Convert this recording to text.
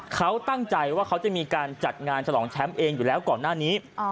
เขาตั้งใจว่าเขาจะมีการจัดงานฉลองแชมป์เองอยู่แล้วก่อนหน้านี้